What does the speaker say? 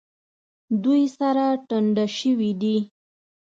دوی سره ټنډه شوي دي.